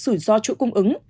sủi do chuỗi cung ứng